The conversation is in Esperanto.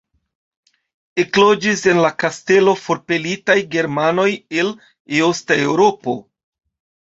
Ekloĝis en la kastelo forpelitaj germanoj el Eosta Eŭropo.